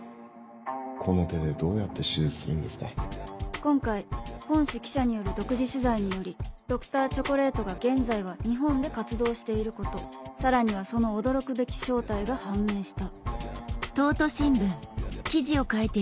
この手でどうやって手術する「今回本誌記者による独自取材によりＤｒ．チョコレートが現在は日本で活動していることさらにはその驚くべき正体が判明した」。